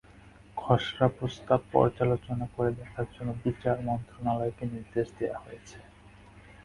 খসড়া প্রস্তাব পর্যালোচনা করে দেখার জন্য বিচার মন্ত্রণালয়কে নির্দেশ দেওয়া হয়েছে।